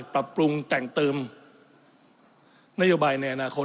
ปรับปรุงแต่งเติมนโยบายในอนาคต